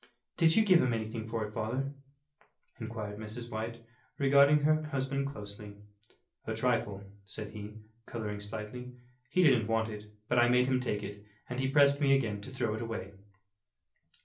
"Did you give him anything for it, father?" inquired Mrs. White, regarding her husband closely. "A trifle," said he, colouring slightly. "He didn't want it, but I made him take it. And he pressed me again to throw it away."